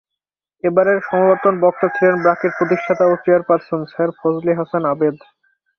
এবারের সমাবর্তন বক্তা ছিলেন ব্র্যাকের প্রতিষ্ঠাতা ও চেয়ারপারসন স্যার ফজলে হাসান আবেদ।